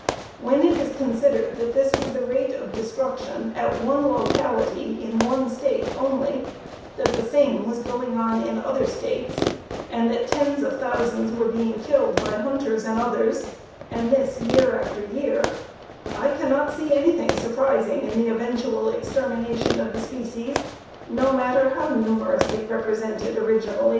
When it is considered that this was the rate of destruction at one locality in one State only, that the same was going on in other States, and that tens of thousands were being killed by hunters and others, and this year after year, I cannot see anything surprising in the eventual extermination of the species, no matter how numerously represented originally.